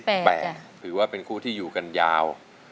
แต่ถือว่าเป็นคู่ที่อยู่กันยาว